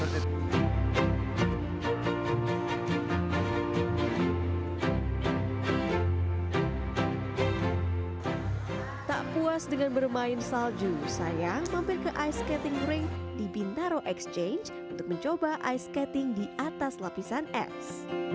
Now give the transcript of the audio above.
tak puas dengan bermain salju saya mampir ke ice skating kering di binaro exchange untuk mencoba ice skating di atas lapisan es